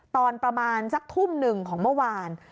ตอนประมาณสักทุ่มหนึ่งของเมื่อวาน